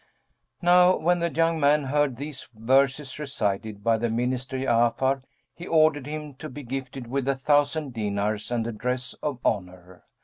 Now when the young man heard these verses recited by the Minister Ja'afar, he ordered him to be gifted with a thousand dinars and a dress of honour.